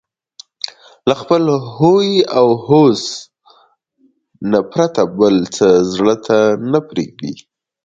له خپل هوى او هوس نه پرته بل څه زړه ته نه پرېږدي